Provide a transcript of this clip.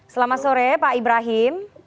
selamat sore pak ibrahim